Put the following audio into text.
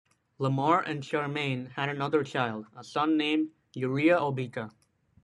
Lemar and Charmaine had another child, a son named Uriah Obika.